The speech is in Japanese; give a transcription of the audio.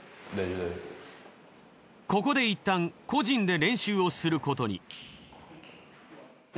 ここでいったん個人で練習をすることに。